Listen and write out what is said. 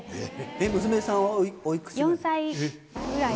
娘さんはおいくつぐらい。